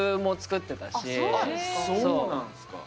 あっそうなんですか？